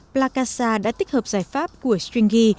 plakasa đã tích hợp giải pháp của stringy